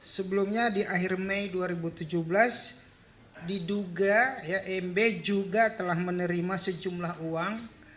sebelumnya di akhir mei dua ribu tujuh belas diduga mb juga telah menerima sejumlah uang